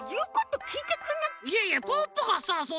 いやいやポッポがさその。